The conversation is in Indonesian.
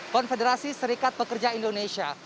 konfederasi serikat pekerja indonesia